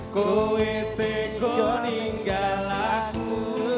kau itu kuning galaku